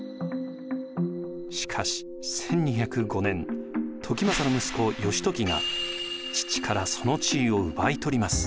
しかし１２０５年時政の息子義時が父からその地位を奪い取ります。